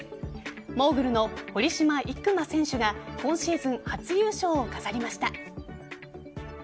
モーグルの堀島行真選手が今シーズン初優勝を飾りました。